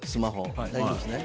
大丈夫ですね？